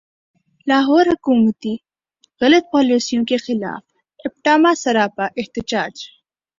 لاہور حکومتی غلط پالیسیوں کیخلاف ایپٹما سراپا احتجاج